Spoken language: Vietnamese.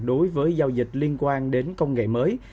đối với giao dịch liên quan đến công nghệ mới